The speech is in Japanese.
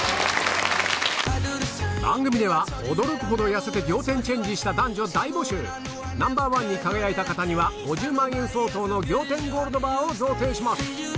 番組では驚くほど痩せて仰天チェンジした男女大募集Ｎｏ．１に輝いた方には５０万円相当の仰天ゴールドバーを贈呈します